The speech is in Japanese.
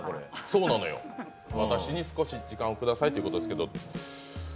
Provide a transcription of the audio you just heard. そうなのよ、私の少し時間をくださいということなんですけど。